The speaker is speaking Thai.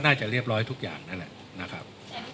น่าจะเรียบร้อยทุกอย่างนั่นแหละนะครับ